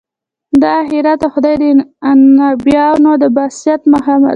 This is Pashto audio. دا آخرت او خدای د انبیا د بعثت موخه ده.